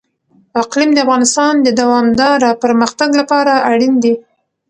اقلیم د افغانستان د دوامداره پرمختګ لپاره اړین دي.